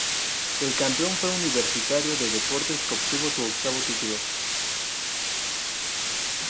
El campeón fue Universitario de Deportes que obtuvo su octavo título.